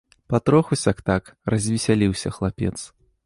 Патроху сяк-так развесяліўся хлапец.